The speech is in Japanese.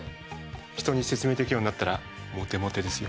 人に説明できるようになったらモテモテですよ。